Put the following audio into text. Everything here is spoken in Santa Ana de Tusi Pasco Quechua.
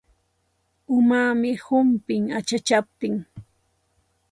Umaami humpin achachaptin.